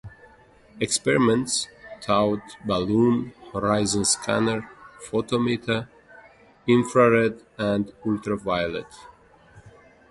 Experiments: Towed balloon, horizon scanner, photometer, infrared and ultraviolet.